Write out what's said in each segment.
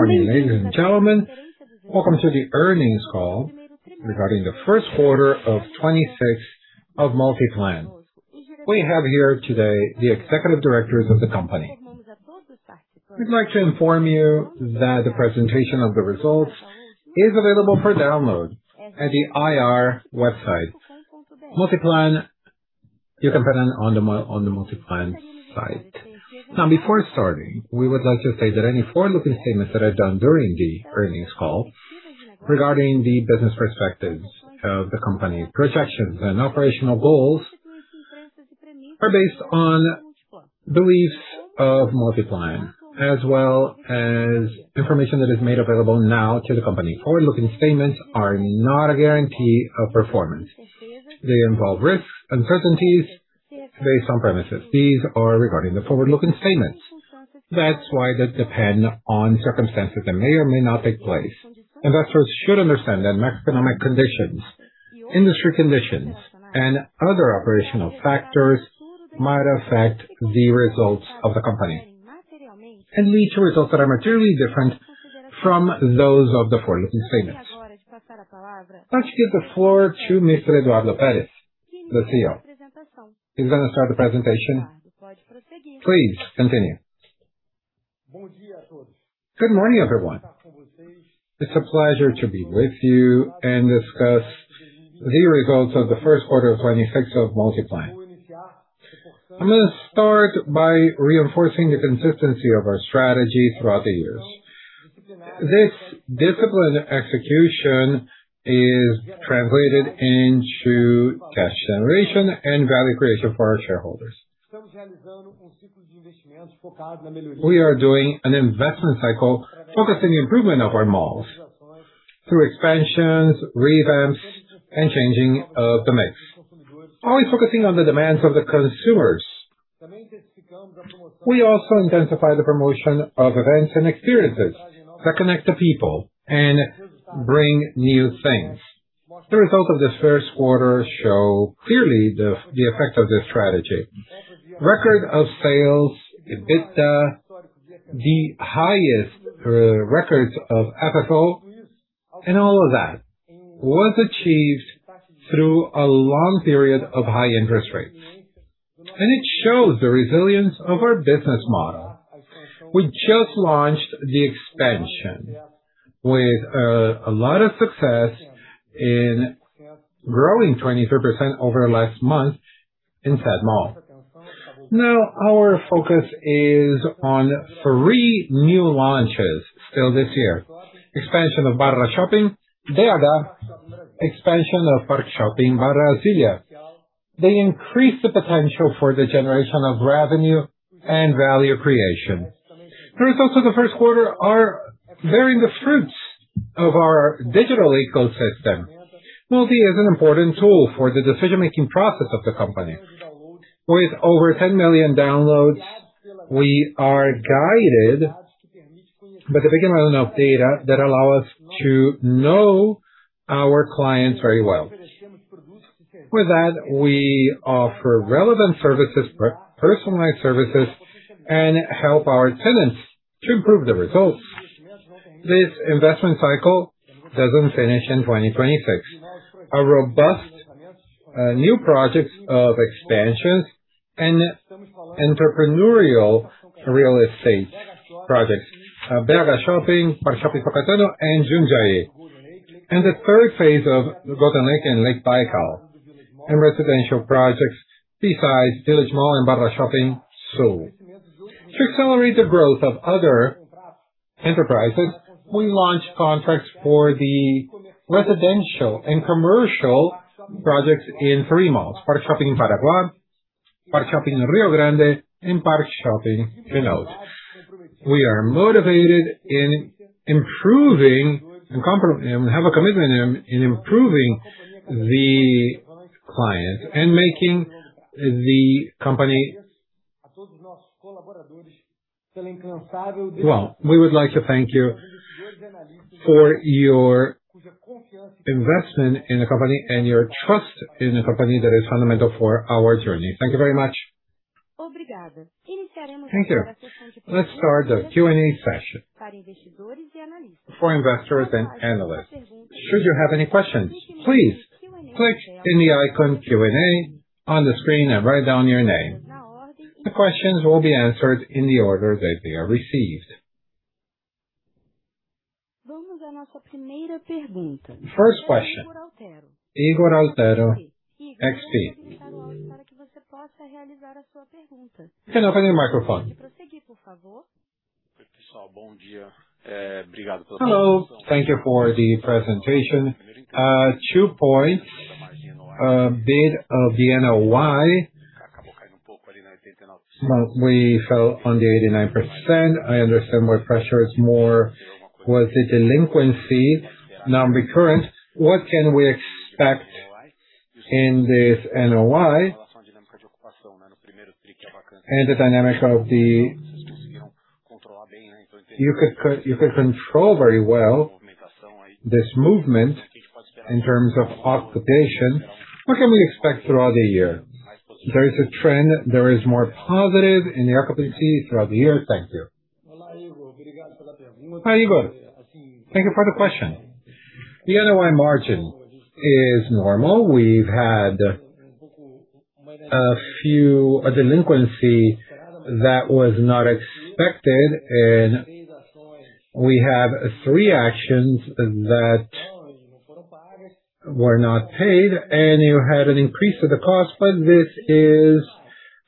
Good morning, ladies and gentlemen. Welcome to the earnings call regarding the first quarter of 2026 of Multiplan. We have here today the executive directors of the company. We'd like to inform you that the presentation of the results is available for download at the IR website. Multiplan, you can find it on the Multiplan site. Before starting, we would like to say that any forward-looking statements that are done during the earnings call regarding the business perspectives of the company, projections and operational goals are based on beliefs of Multiplan, as well as information that is made available now to the company. Forward-looking statements are not a guarantee of performance. They involve risks, uncertainties based on premises. These are regarding the forward-looking statements. That's why they depend on circumstances that may or may not take place. Investors should understand that macroeconomic conditions, industry conditions, and other operational factors might affect the results of the company and lead to results that are materially different from those of the forward-looking statements. Let's give the floor to Mr. Eduardo Peres, the CEO. He's gonna start the presentation. Please continue. Good morning, everyone. It's a pleasure to be with you and discuss the results of the first quarter of 2026 of Multiplan. I'm gonna start by reinforcing the consistency of our strategy throughout the years. This disciplined execution is translated into cash generation and value creation for our shareholders. We are doing an investment cycle focusing improvement of our malls through expansions, revamps, and changing of the mix. Always focusing on the demands of the consumers. We also intensify the promotion of events and experiences that connect the people and bring new things. The results of this first quarter show clearly the effect of this strategy. Record of sales, EBITDA, the highest records of FFO, and all of that was achieved through a long period of high interest rates, and it shows the resilience of our business model. We just launched the expansion with a lot of success in growing 23% over last month in said mall. Our focus is on three new launches still this year. Expansion of BarraShopping, Braga. Expansion of ParkShopping Barra da Tijuca. They increase the potential for the generation of revenue and value creation. The results of the first quarter are bearing the fruits of our digital ecosystem. Multi is an important tool for the decision-making process of the company. With over 10 million downloads, we are guided by the big amount of data that allow us to know our clients very well. With that, we offer relevant services, personalized services, and help our tenants to improve the results. This investment cycle doesn't finish in 2026. A robust new projects of expansions and entrepreneurial real estate projects, BarraShopping, ParkShopping Tocantino and Jundiaí, and the third phase of Botafogo and Lake Baikal, and residential projects beside Village Mall and BarraShoppingSul. To accelerate the growth of other enterprises, we launched contracts for the residential and commercial projects in three malls: ParkShopping Barra Clara, ParkShopping Rio Grande and ParkShopping Pernambucois. We are motivated in improving and have a commitment in improving the client and making the company... Well, we would like to thank you for your investment in the company and your trust in the company that is fundamental for our journey. Thank you very much. Thank you. Let's start the Q&A session for investors and analysts. Should you have any questions, please click in the icon Q&A on the screen and write down your name. The questions will be answered in the order that they are received. First question, Ygor Altero, XP. You can open your microphone. Hello. Thank you for the presentation. Two points, bit of the NOI. Well, we fell on the 89%. I understand where pressure is more was the delinquency now recurrent. What can we expect in this NOI and the dynamic of you could control very well this movement in terms of occupation, what can we expect throughout the year? There is a trend, there is more positive in the occupancy throughout the year. Thank you. Hi, Ygor. Thank you for the question. The NOI margin is normal. We've had a few delinquency that was not expected, and we have three actions that were not paid, and you had an increase of the cost, but this is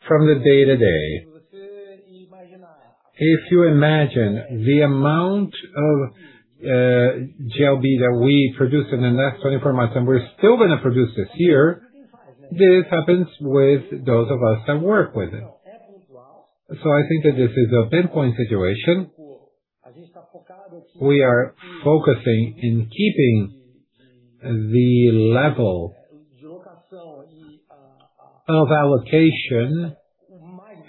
from the day to day. If you imagine the amount of GLA that we produce in the next 24 months, and we're still gonna produce this year, this happens with those of us that work with it. I think that this is a pinpoint situation. We are focusing in keeping the level of allocation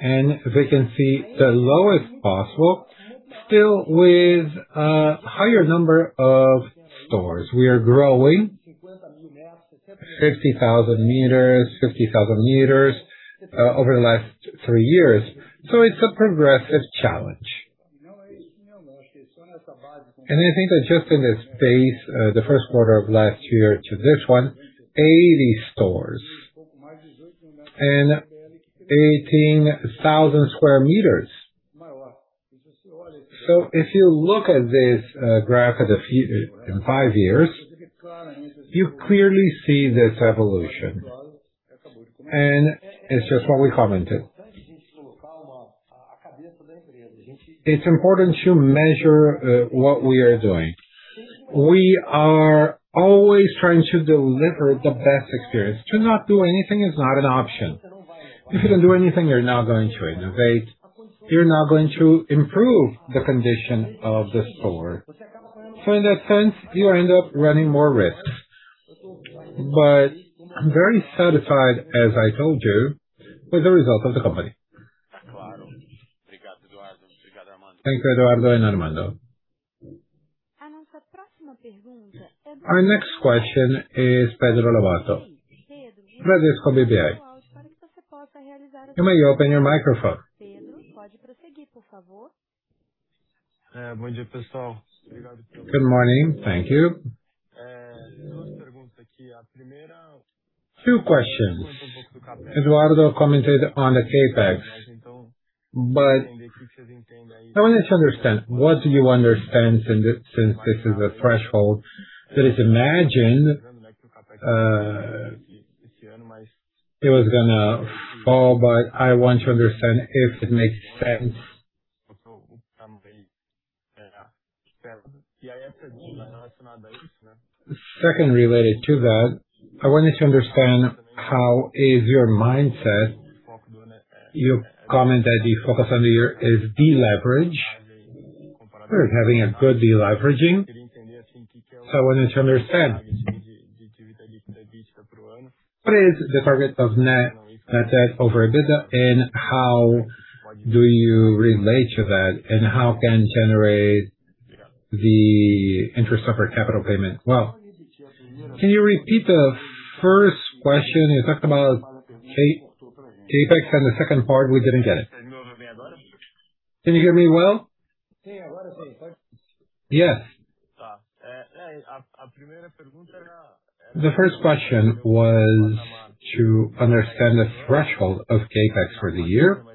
and vacancy as low as possible, still with a higher number of stores. We are growing 50,000 meters over the last three years. It's a progressive challenge. I think that just in this phase, the first quarter of last year to this one, 80 stores and 18,000 sq m. If you look at this graph of the five years, you clearly see this evolution, and it's just what we commented. It's important to measure what we are doing. We are always trying to deliver the best experience. To not do anything is not an option. If you don't do anything, you're not going to innovate, you're not going to improve the condition of the store. In that sense, you end up running more risks. I'm very satisfied, as I told you, with the result of the company. Thank you, Eduardo and Armando. Our next question is Pedro Lobato. Bradesco BBI. You may open your microphone. Good morning. Thank you. two questions. Eduardo commented on the CapEx, I wanted to understand what do you understand since this is a threshold that is imagined, it was gonna fall, I want to understand if it makes sense. Second, related to that, I wanted to understand how is your mindset. You comment that the focus on the year is deleverage. We're having a good deleveraging. I wanted to understand what is the target of net debt over EBITDA, and how do you relate to that, and how can generate the interest of our capital payment? Can you repeat the first question? You talked about CapEx and the second part, we didn't get it. Can you hear me well? Yes. The first question was to understand the threshold of CapEx for the year.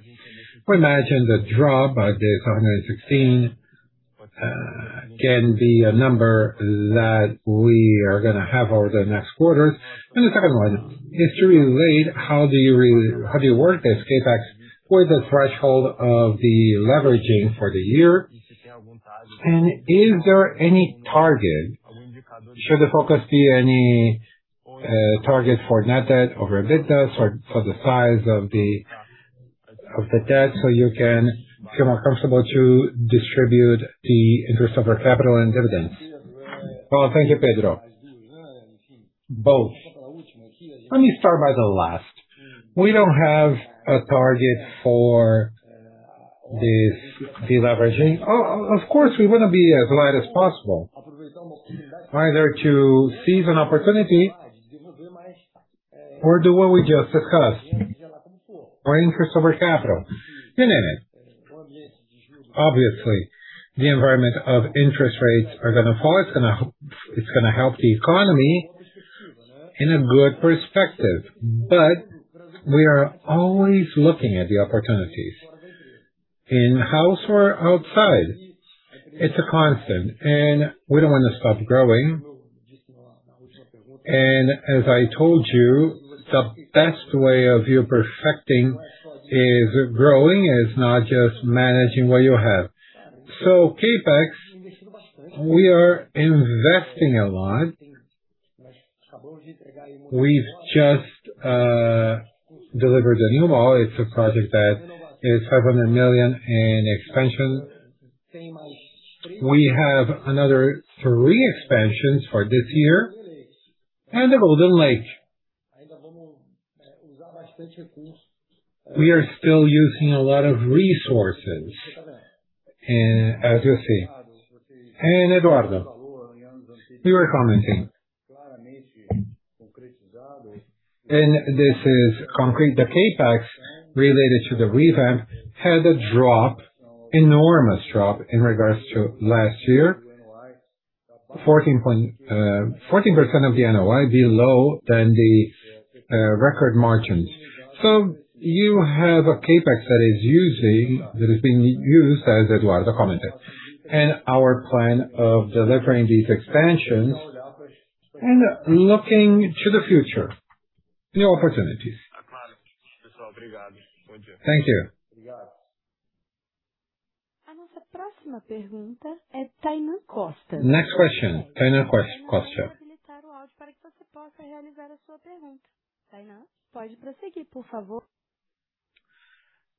We imagine the drop of this 116 can be a number that we are gonna have over the next quarters. The second one is to relate how do you work this CapEx with the threshold of the leveraging for the year. Is there any target? Should the focus be any target for net debt ovr EBITDA for the size of the, of the debt so you can feel more comfortable to distribute the interest of our capital and dividends? Well, thank you, Pedro. Both. Let me start by the last. We don't have a target for this deleveraging. Of course, we wanna be as light as possible. Either to seize an opportunity or do what we just discussed, our interest over capital. Then, obviously, the environment of interest rates are gonna fall. It's gonna help the economy in a good perspective. We are always looking at the opportunities in-house or outside. It's a constant, we don't wanna stop growing. As I told you, the best way of you perfecting is growing, is not just managing what you have. CapEx, we are investing a lot. We've just delivered a new mall. It's a project that is 700 million in expansion. We have another three expansions for this year. The Golden Lake, we are still using a lot of resources, as you see. Eduardo Peres, you were commenting. This is concrete. The CapEx related to the revamp had a drop, enormous drop in regards to last year. 14% of the NOI below than the record margins. You have a CapEx that is being used as Eduardo commented, and our plan of delivering these expansions and looking to the future, new opportunities. Thank you.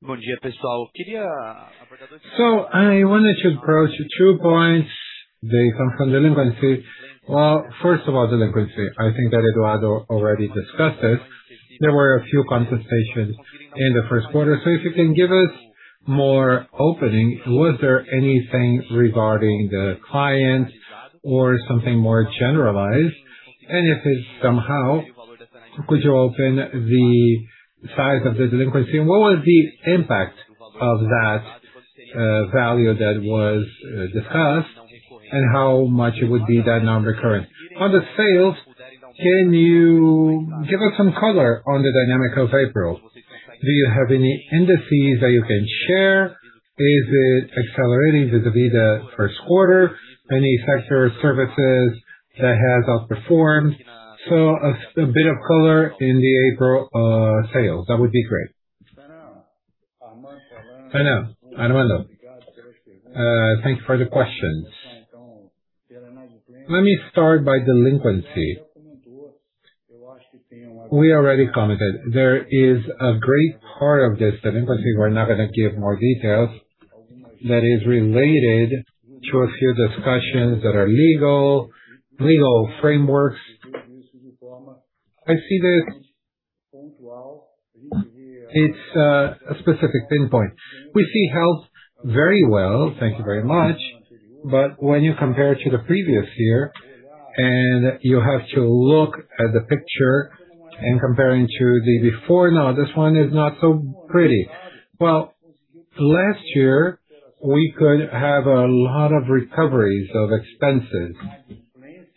Next question, Tainá Costa. I wanted to approach two points based on delinquency. Well, first of all, delinquency. I think that Eduardo already discussed this. There were a few contestations in the first quarter. If you can give us more opening, was there anything regarding the client or something more generalized? If it's somehow, could you open the size of the delinquency and what was the impact of that value that was discussed and how much it would be that non-recurring. On the sales, can you give us some color on the dynamic of April? Do you have any indices that you can share? Is it accelerating vis-a-vis the first quarter? Any sector services that has outperformed? A bit of color in the April sales. That would be great. I know, Armando. Thank you for the question. Let me start by delinquency. We already commented. There is a great part of this delinquency, we're now gonna give more details, that is related to a few discussions that are legal frameworks. I see that it's a specific pinpoint. We see health very well. Thank you very much. When you compare to the previous year, and you have to look at the picture and comparing to the before, now this one is not so pretty. Well, last year, we could have a lot of recoveries of expenses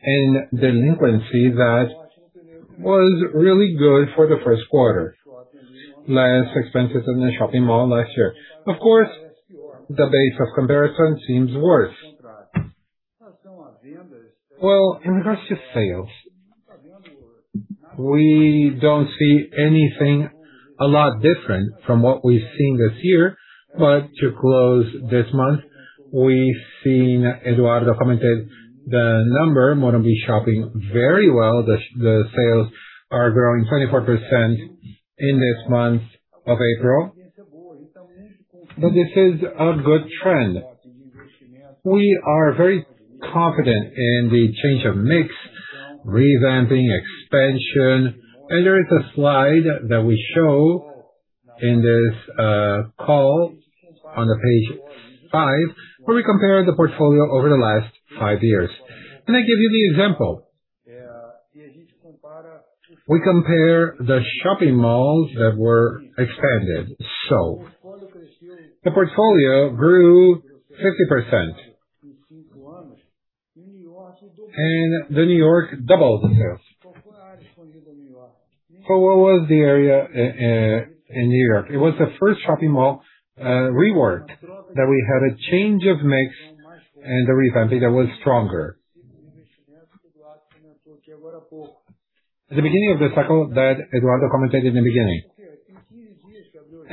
and delinquency that was really good for the first quarter. Less expenses in the shopping mall last year. Of course, the base of comparison seems worse. Well, in regards to sales, we don't see anything a lot different from what we've seen this year. To close this month, we've seen Eduardo Peres commented the number, Morumbi Shopping very well. The sales are growing 24% in this month of April. This is a good trend. We are very confident in the change of mix, revamping, expansion. There is a slide that we show in this call on page five, where we compare the portfolio over the last five years. Can I give you the example? We compare the shopping malls that were expanded. The portfolio grew 50%. The New York City Center doubled the sales. What was the area in New York City Center? It was the first shopping mall reworked, that we had a change of mix and the revamping that was stronger. At the beginning of the cycle that Eduardo commented in the beginning.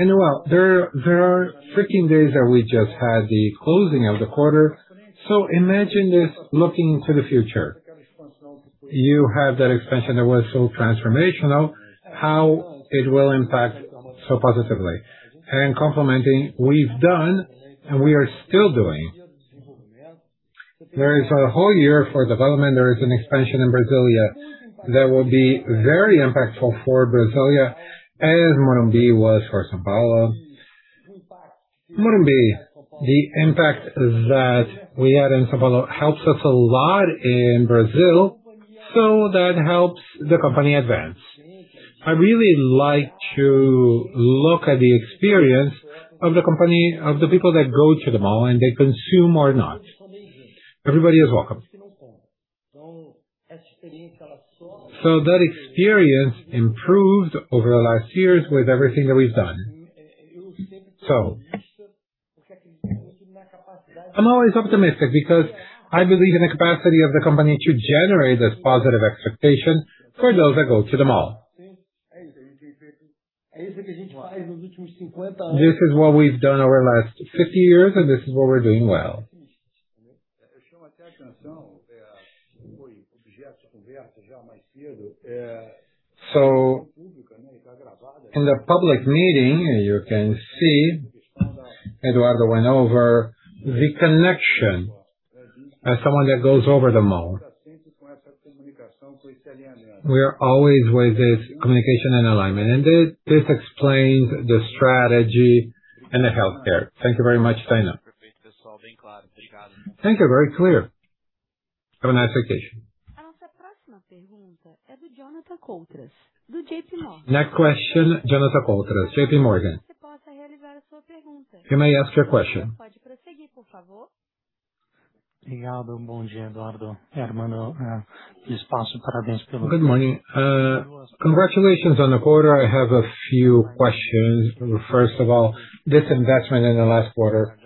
Well, there are freaking days that we just had the closing of the quarter. Imagine this looking into the future. You have that expansion that was so transformational, how it will impact so positively. Complementing, we've done and we are still doing. There is one whole year for development. There is an expansion in Brasília that will be very impactful for Brasília as Morumbi was for São Paulo. Morumbi, the impact that we had in São Paulo helps us a lot in Brazil, that helps the company advance. I really like to look at the experience of the people that go to the mall, and they consume or not. Everybody is welcome. That experience improved over the last years with everything that we've done. I'm always optimistic because I believe in the capacity of the company to generate this positive expectation for those that go to the mall. This is what we've done over the last 50 years, and this is what we're doing well. In the public meeting, you can see Eduardo went over the connection as someone that goes over the mall. We are always with this communication and alignment. This explains the strategy and the healthcare. Thank you very much, Tainá. Thank you. Very clear. Have a nice vacation. Next question, Jonathan Koutras, JPMorgan. You may ask your question. Good morning. Congratulations on the quarter. I have a few questions. This investment in the last quarter,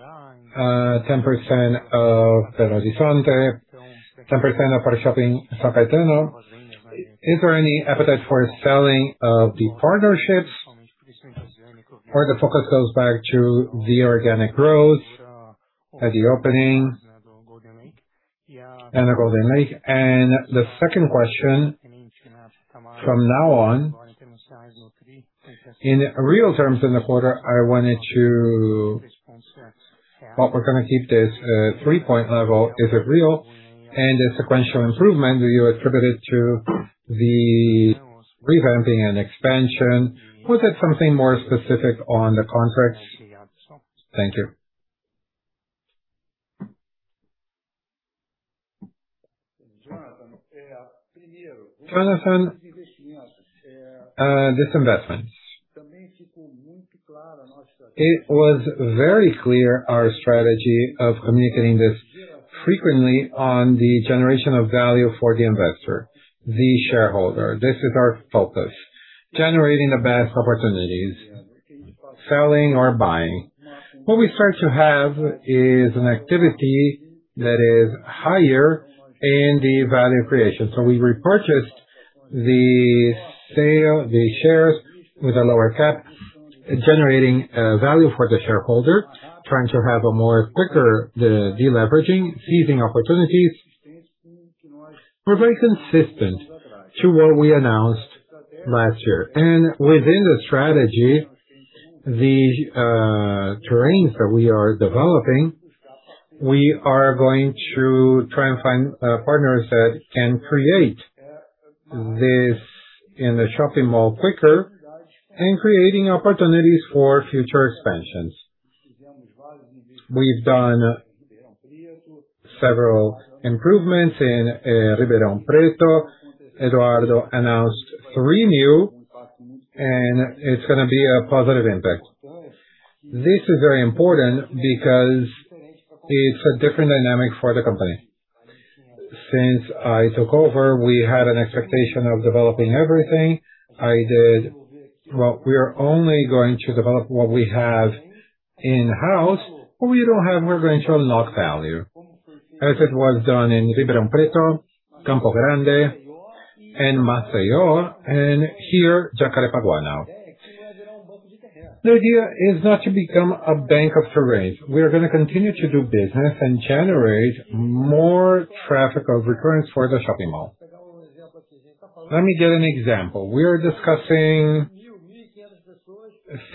10% of Belo Horizonte, 10% of our shopping São Caetano. Is there any appetite for selling of the partnerships or the focus goes back to the organic growth at the opening and the Golden Lake? The second question, from now on, in real terms in the quarter. We're gonna keep this three-point level. Is it real and a sequential improvement, do you attribute it to the revamping and expansion? Was it something more specific on the contracts? Thank you. Jonathan, this investment. It was very clear our strategy of communicating this frequently on the generation of value for the investor, the shareholder. This is our focus. Generating the best opportunities, selling or buying. What we start to have is an activity that is higher in the value creation. We repurchased the sale, the shares with a lower cap, generating value for the shareholder, trying to have a more quicker, the deleveraging, seizing opportunities. We're very consistent to what we announced last year. Within the strategy, the terrains that we are developing, we are going to try and find partners that can create this in the shopping mall quicker and creating opportunities for future expansions. We've done several improvements in Ribeirão Preto. Eduardo announced three new, and it's going to be a positive impact. This is very important because it's a different dynamic for the company. Since I took over, we had an expectation of developing everything. I did. Well, we are only going to develop what we have in-house. What we don't have, we're going to unlock value. As it was done in Ribeirão Preto, Campo Grande, and Maceió, and here, Jacarepaguá now. The idea is not to become a bank of terrains. We are going to continue to do business and generate more traffic of recurrence for the shopping mall. Let me give an example. We are discussing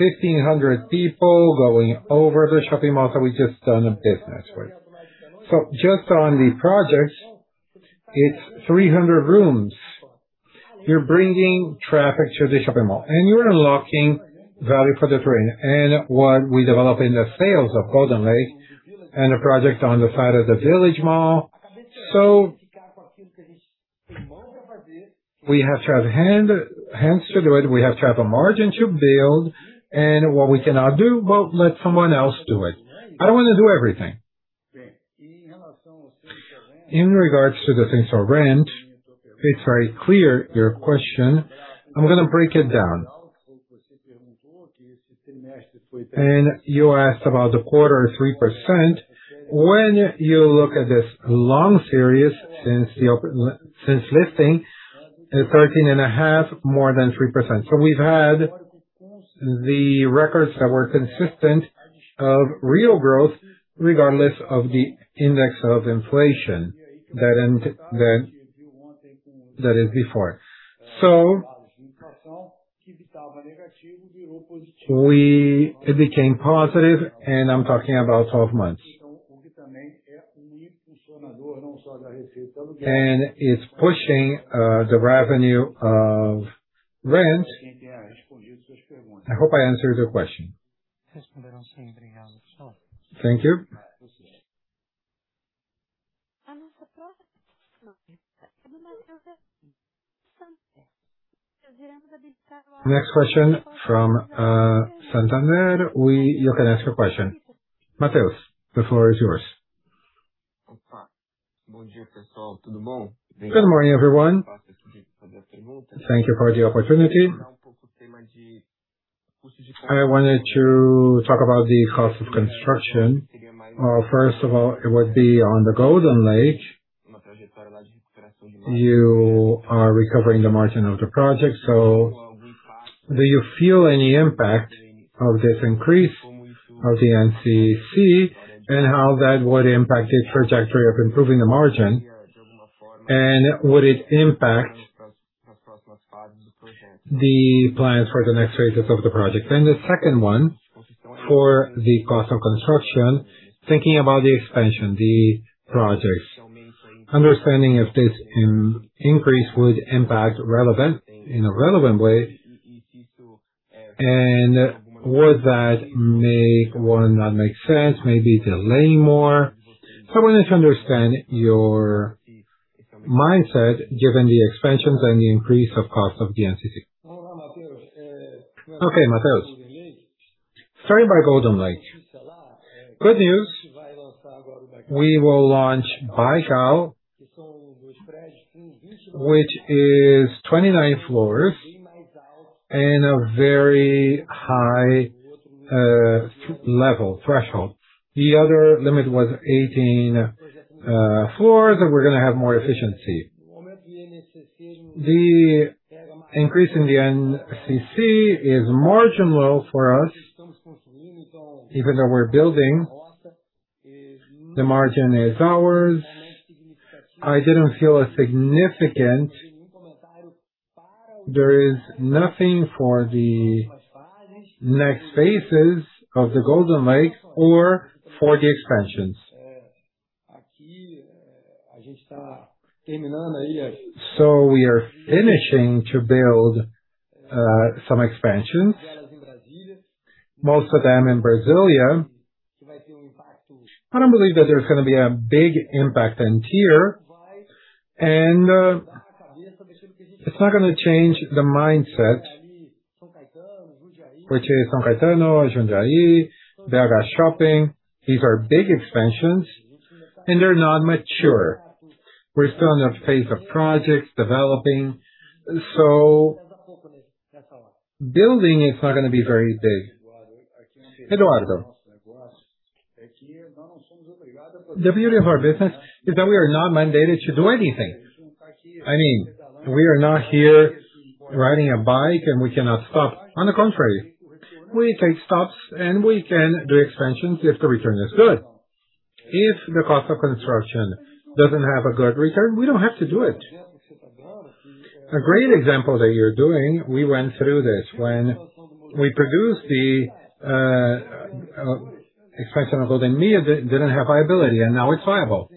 1,500 people going over the shopping mall that we've just done a business with. Just on the project, it's 300 rooms. You're bringing traffic to the shopping mall, and you're unlocking value for the terrain. What we develop in the sales of Golden Lake and a project on the side of the village mall. We have to have hands to do it. We have to have a margin to build. What we cannot do, well, let someone else do it. I don't wanna do everything. In regards to the things for rent, it's very clear, your question. I'm gonna break it down. You asked about the quarter, 3%. When you look at this long series since listing, 13.5, more than 3%. We've had the records that were consistent of real growth regardless of the index of inflation that is before. It became positive, and I'm talking about 12 months. It's pushing the revenue of rent. I hope I answered your question. Thank you. Next question from Santander. You can ask your question. Matheus, the floor is yours. Good morning, everyone. Thank you for the opportunity. I wanted to talk about the cost of construction. First of all, it would be on the Golden Lake. You are recovering the margin of the project. Do you feel any impact of this increase of the INCC and how that would impact its trajectory of improving the margin and would it impact the plans for the next phases of the project. The second one, for the cost of construction, thinking about the expansion, the projects, understanding if this increase would impact relevant, in a relevant way, and would that make or not make sense, maybe delaying more. I wanted to understand your mindset given the expansions and the increase of cost of the INCC. Okay, Matheus. Starting by Golden Lake. Good news. We will launch Baikal, which is 29 floors and a very high level, threshold. The other limit was 18 floors, and we're gonna have more efficiency. The increase in the INCC is marginal for us. Even though we're building, the margin is ours. I didn't feel a significant. There is nothing for the next phases of the Golden Lake or for the expansions. We are finishing to build some expansions, most of them in Brasília. I don't believe that there's gonna be a big impact in tier. It's not gonna change the mindset, which is São Caetano, Jundiaí, Braga Shopping. These are big expansions. They're not mature. We're still in a phase of projects, developing. Building is not gonna be very big. Eduardo Peres, the beauty of our business is that we are not mandated to do anything. I mean, we are not here riding a bike. We cannot stop. On the contrary, we take stops. We can do expansions if the return is good. If the cost of construction doesn't have a good return, we don't have to do it. A great example that you're doing, we went through this when we produced the expansion of Uncertain. It didn't have viability. Now it's viable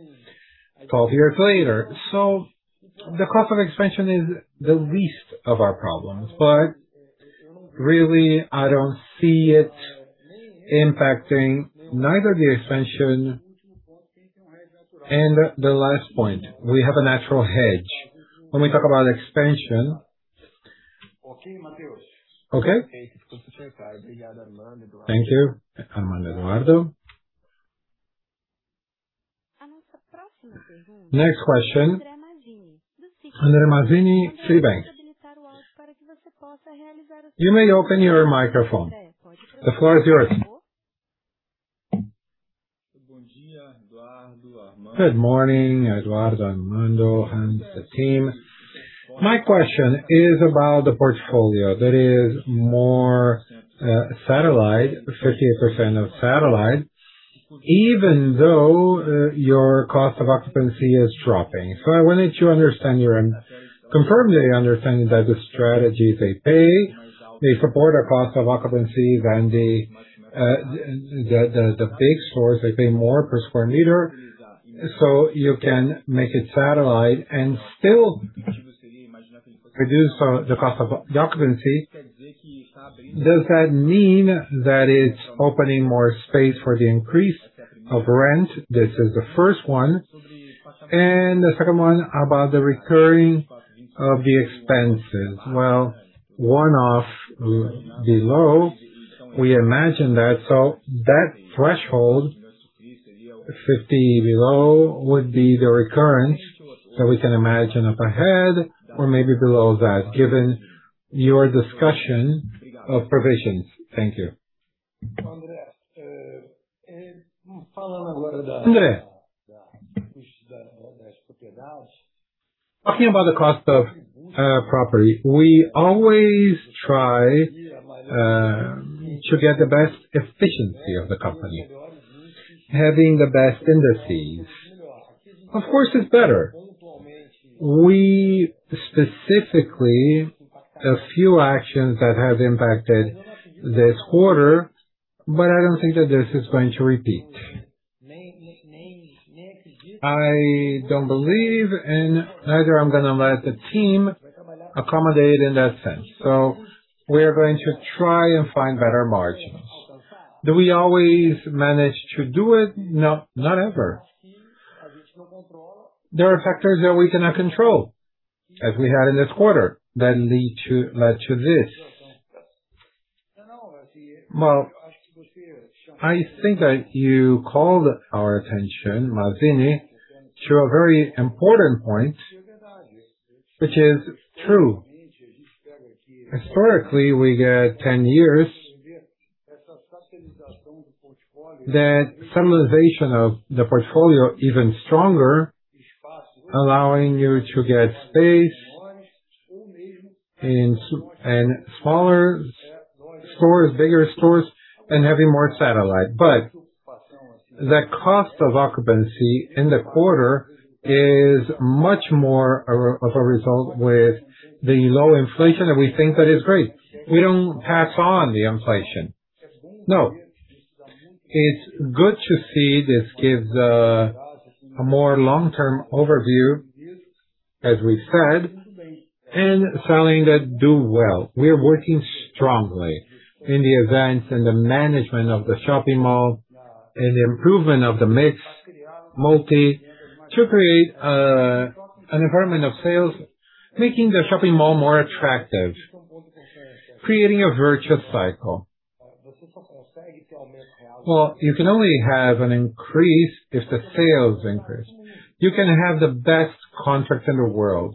12 years later. The cost of expansion is the least of our problems. Really, I don't see it impacting neither the expansion nor the last point. We have a natural hedge when we talk about expansion. Thank you, Armando, Eduardo. Next question, André Mazini, Citibank. You may open your microphone. The floor is yours. Good morning, Eduardo, Armando, and the team. My question is about the portfolio that is more satellite, 58% of satellite, even though your cost of occupancy is dropping. I wanted to understand your confirm that I understand that the strategies they pay, they support a cost of occupancy than the big stores, they pay more per sq m, so you can make it satellite and still reduce the cost of occupancy. Does that mean that it's opening more space for the increase of rent? This is the first one. The second one about the recurring of the expenses. Well, one-off below, we imagine that. That threshold, 50 below, would be the recurrence that we can imagine up ahead or maybe below that, given your discussion of provisions. Thank you. Talking about the cost of occupancy, we always try to get the best efficiency of the company. Having the best indices, of course, is better. We specifically, a few actions that have impacted this quarter, but I don't think that this is going to repeat. I don't believe, and neither I'm going to let the team accommodate in that sense. We are going to try and find better margins. Do we always manage to do it? No, not ever. There are factors that we cannot control, as we had in this quarter, that led to this. Well, I think that you called our attention, Mazini, to a very important point, which is true. Historically, we get 10 years. That satellization of the portfolio even stronger, allowing you to get space in smaller stores, bigger stores, and having more satellite. The cost of occupancy in the quarter is much more of a result with the low inflation that we think that is great. We don't pass on the inflation. No. It's good to see this gives a more long-term overview, as we said, and selling that do well. We are working strongly in the events and the management of the shopping mall and the improvement of the mix, Multi, to create an environment of sales, making the shopping mall more attractive, creating a virtuous cycle. Well, you can only have an increase if the sales increase. You can have the best contract in the world,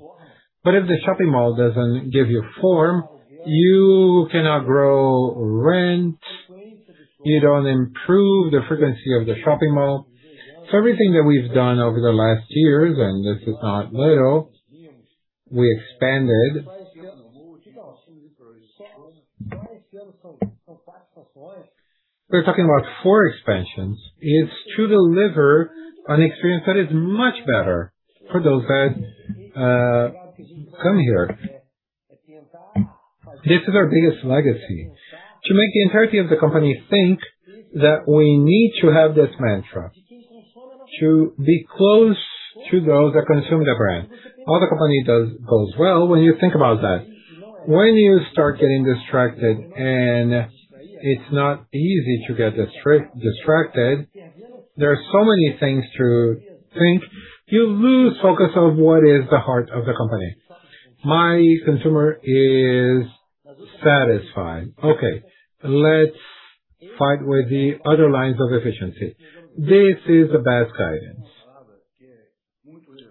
but if the shopping mall doesn't give you form, you cannot grow rent, you don't improve the frequency of the shopping mall. Everything that we've done over the last years, and this is not little, we expanded. We're talking about four expansions. It's to deliver an experience that is much better for those that come here. This is our biggest legacy, to make the entirety of the company think that we need to have this mantra to be close to those that consume the brand. All the company goes well when you think about that. When you start getting distracted, and it's not easy to get distracted, there are so many things to think, you lose focus of what is the heart of the company. My consumer is satisfied. Okay, let's fight with the other lines of efficiency. This is the best guidance.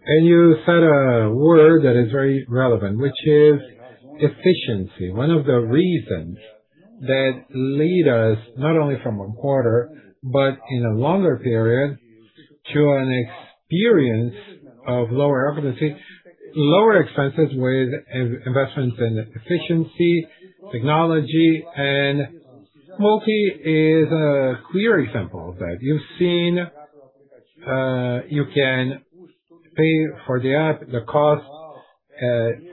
You said a word that is very relevant, which is efficiency. One of the reasons that lead us not only from a quarter, but in a longer period to an experience of lower occupancy, lower expenses with investments in efficiency, technology, and Multi is a clear example of that. You've seen, you can pay for the app, the cost,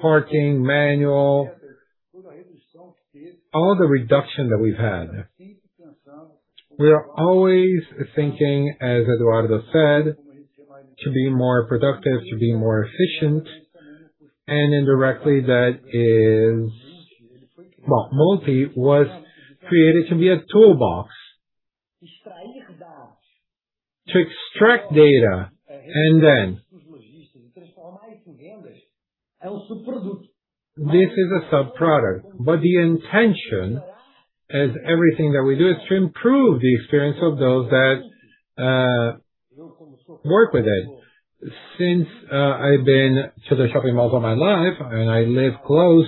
parking, manual, all the reduction that we've had. We are always thinking, as Eduardo said, to be more productive, to be more efficient. Indirectly, Well, Multi was created to be a toolbox to extract data and then this is a subproduct. The intention, as everything that we do, is to improve the experience of those that work with it. Since I've been to the shopping malls all my life, and I live close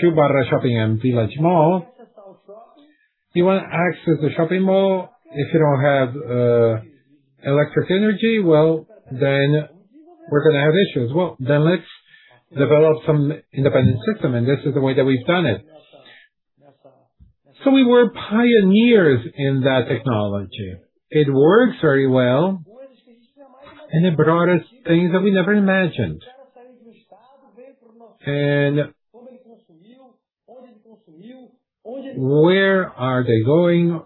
to BarraShopping and Village Mall. You wanna access the shopping mall, if you don't have electric energy, we're gonna have issues. Let's develop some independent system, and this is the way that we've done it. We were pioneers in that technology. It works very well, and it brought us things that we never imagined. Where are they going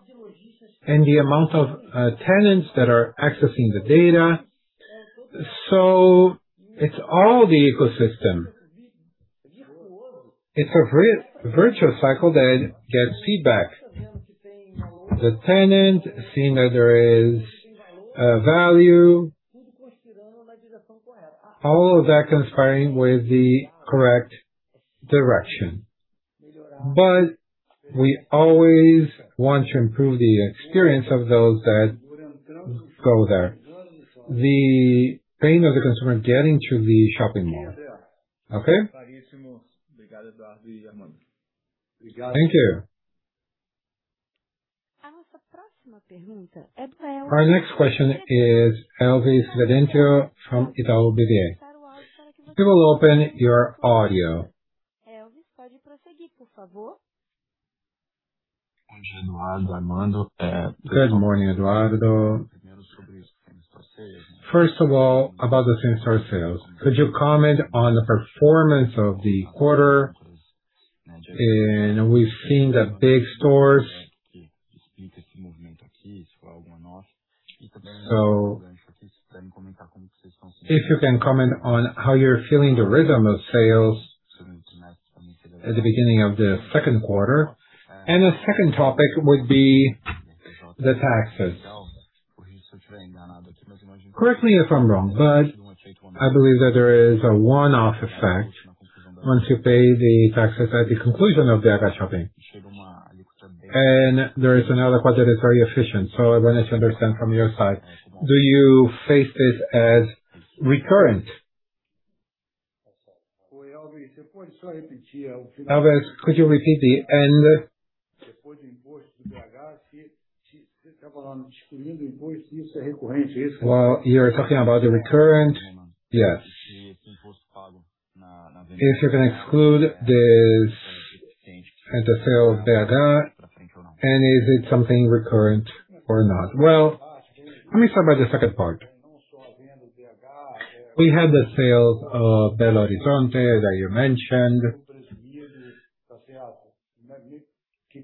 and the amount of tenants that are accessing the data. It's all the ecosystem. It's a virtuous cycle that gets feedback. The tenant seeing that there is value, all of that conspiring with the correct direction. We always want to improve the experience of those that go there. The pain of the consumer getting to the shopping mall. Okay? Thank you. Our next question is Elvis Credendio from Itaú BBA. We will open your audio. Good morning, Eduardo. First of all, about the same-store sales. Could you comment on the performance of the quarter? We've seen the big stores. If you can comment on how you're feeling the rhythm of sales at the beginning of the second quarter. The second topic would be the taxes. Correct me if I'm wrong, but I believe that there is a one-off effect once you pay the taxes at the conclusion of the other shopping. There is another quarter that is very efficient. I wanted to understand from your side, do you face this as recurrent? Elvis, could you repeat the end? Well, you're talking about the recurrent. Yes. If you can exclude this as a sale BH, and is it something recurrent or not? Well, let me start by the second part. We had the sales of Belo Horizonte that you mentioned. It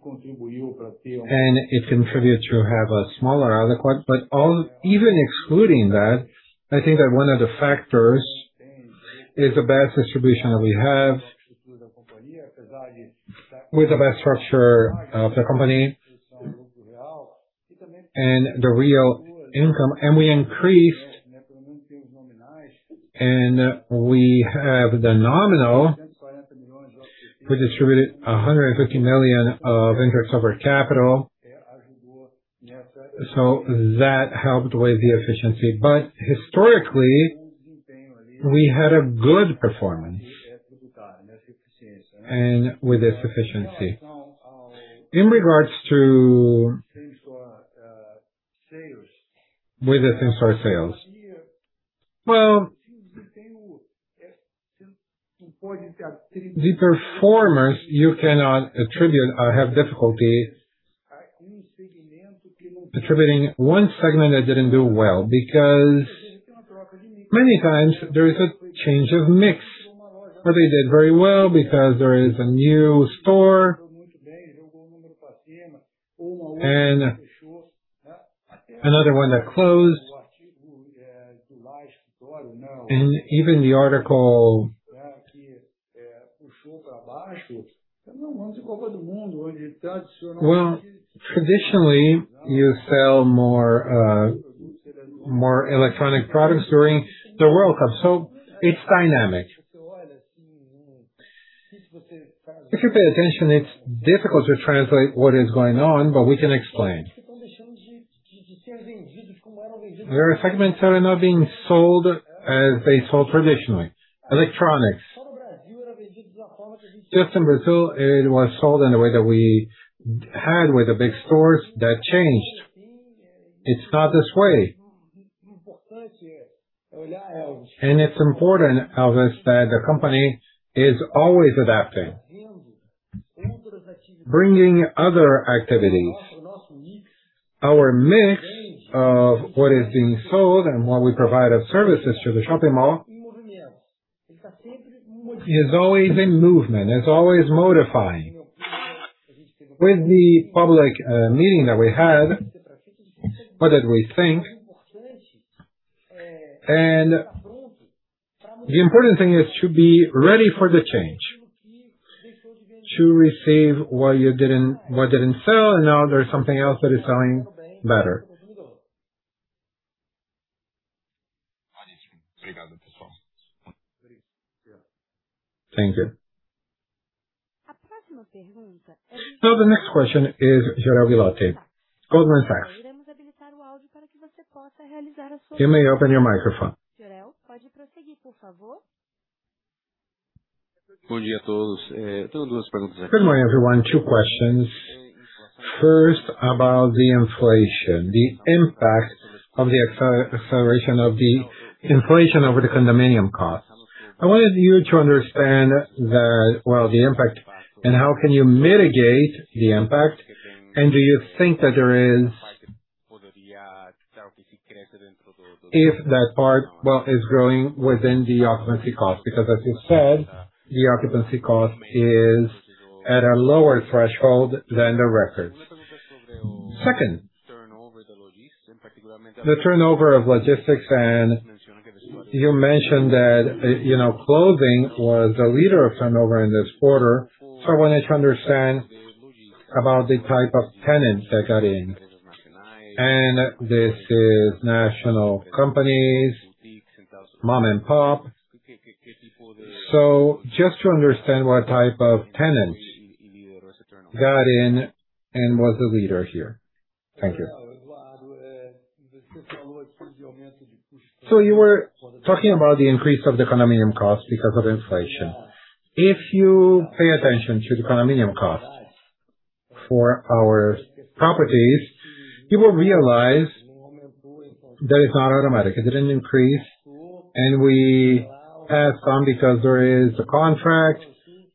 contributes to have a smaller adequate. Even excluding that, I think that one of the factors is the best distribution that we have with the best structure of the company and the real income, and we increased, and we have the nominal. We distributed 150 million of interest over capital, that helped with the efficiency. Historically, we had a good performance and with the efficiency. In regards to with the same-store sales. Well, the performance you cannot attribute or have difficulty attributing one segment that didn't do well because many times there is a change of mix. They did very well because there is a new store and another one that closed. Even the article. Well, traditionally, you sell more, more electronic products during the World Cup, it's dynamic. If you pay attention, it's difficult to translate what is going on, but we can explain. There are segments that are not being sold as they sold traditionally. Electronics. Just in Brazil, it was sold in the way that we had with the big stores that changed. It's not this way. It's important, Elvis, that the company is always adapting, bringing other activities. Our mix of what is being sold and what we provide as services to the shopping mall is always in movement. It's always modifying. With the public, meeting that we had, what did we think? The important thing is to be ready for the change, to receive what didn't sell, and now there's something else that is selling better. Thank you. The next question is Jorel Guilloty. Goldman Sachs. You may open your microphone. Good morning, everyone. two questions. First, about the inflation, the impact of the acceleration of the inflation over the condominium cost. I wanted you to understand the impact and how can you mitigate the impact. Do you think if that part is growing within the occupancy cost because as you said, the occupancy cost is at a lower threshold than the records. Second, the turnover of logistics, and you mentioned that, you know, clothing was the leader of turnover in this quarter. I wanted to understand about the type of tenant that got in. This is national companies, mom and pop. Just to understand what type of tenants got in and was the leader here. Thank you. You were talking about the increase of the condominium cost because of inflation. If you pay attention to the condominium cost for our properties, you will realize that it's not automatic. It didn't increase. We have some because there is a contract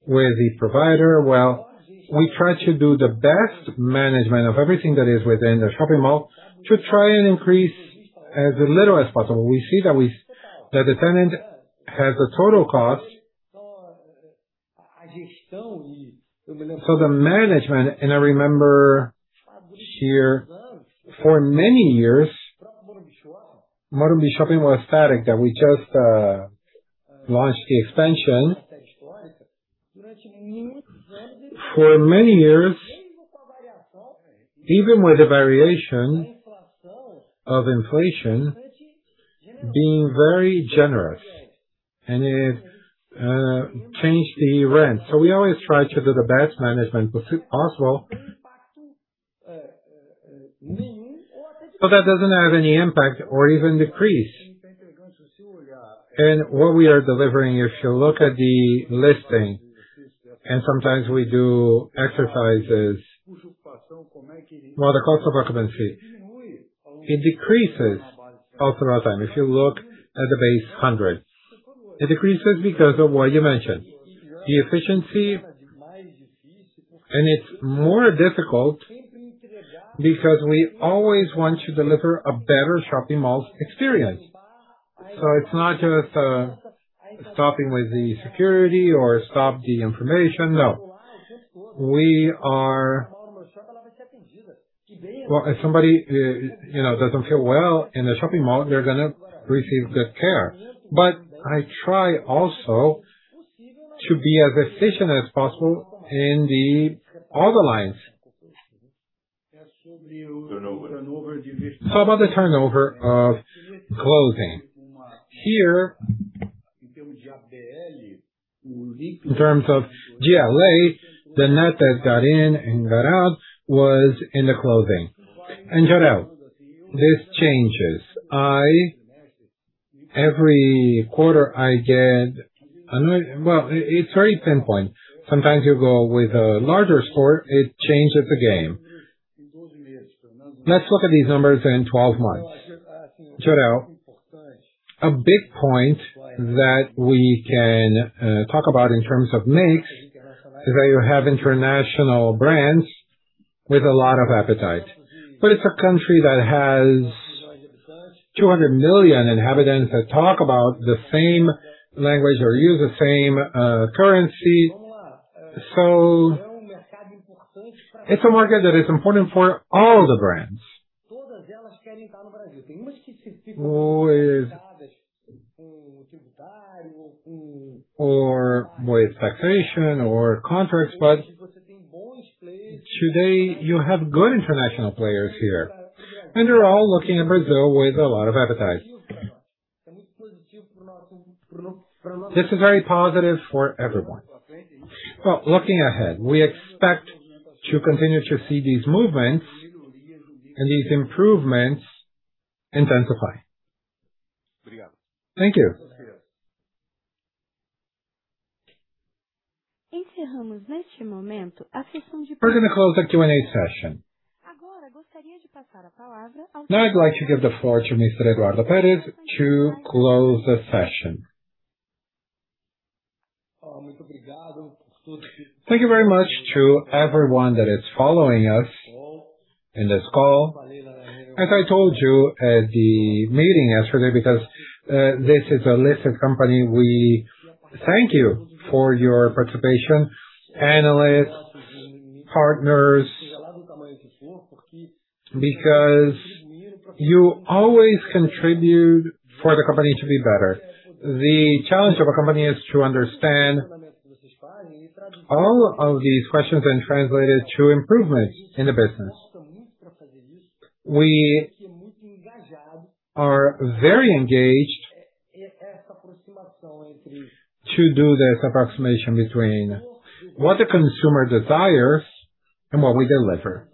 with the provider. We try to do the best management of everything that is within the shopping mall to try and increase as little as possible. We see that the tenant has a total cost. The management, and I remember here for many years, Morumbi Shopping was static, that we just launched the expansion. For many years, even with the variation of inflation being very generous, it changed the rent. We always try to do the best management possible. That doesn't have any impact or even decrease. What we are delivering, if you look at the listing, and sometimes we do exercises. Well, the cost of occupancy. It decreases also over time. If you look at the base 100, it decreases because of what you mentioned, the efficiency. It's more difficult because we always want to deliver a better shopping malls experience. It's not just stopping with the security or stop the information. No. Well, if somebody, you know, doesn't feel well in a shopping mall, they're gonna receive good care. I try also to be as efficient as possible in the other lines. It's about the turnover of clothing. Here, in terms of GLA, the net that got in and got out was in the clothing. Jorel, this changes. Every quarter I get a new. Well, it's very pinpoint. Sometimes you go with a larger score, it changes the game. Let's look at these numbers in 12 months. Jorel, a big point that we can talk about in terms of makes, is that you have international brands with a lot of appetite. It's a country that has 200 million inhabitants that talk about the same language or use the same currency. It's a market that is important for all the brands. With or with taxation or contracts. Today you have good international players here, and they're all looking at Brazil with a lot of appetite. This is very positive for everyone. Looking ahead, we expect to continue to see these movements and these improvements intensify. Thank you. We're gonna close the Q&A session. Now I'd like to give the floor to Mr. Eduardo Peres to close the session. Thank you very much to everyone that is following us in this call. As I told you at the meeting yesterday, this is a listed company, we thank you for your participation, analysts, partners, because you always contribute for the company to be better. The challenge of a company is to understand all of these questions and translate it to improvements in the business. We are very engaged to do this approximation between what the consumer desires and what we deliver.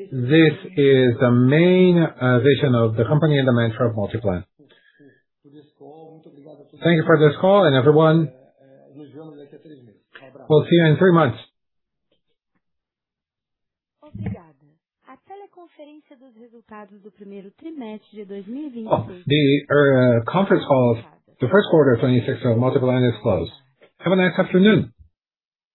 This is the main vision of the company and the mantra of Multiplan. Thank you for this call and everyone, we'll see you in three months. The conference call of the first quarter of 2026 of Multiplan is closed. Have a nice afternoon.